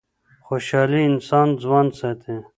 خوشحالي انسان ځوان ساتي.